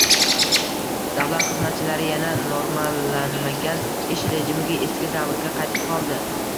Davlat xizmatchilari yana normalanmagan ish rejimiga eski davrga qaytib qoldi.